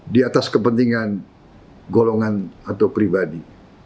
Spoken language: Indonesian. di atas kepentingan golongan atau pribadi